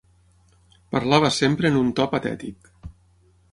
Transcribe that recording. Parlava sempre en un to patètic.